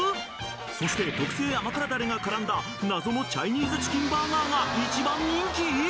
そして特製甘辛ダレが絡んだ謎のチャイニーズチキンバーガーが一番人気！？